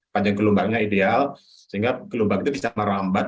panjang gelombangnya ideal sehingga gelombang itu bisa merambat